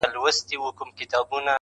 • هر څوک د پېښې کيسه بيا بيا تکراروي,